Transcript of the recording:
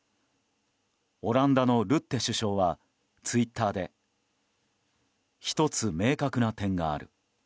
オランダのルッテ首相はツイッターで１つ、明確な点がある。